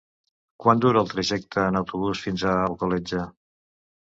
Quant dura el trajecte en autobús fins a Alcoletge?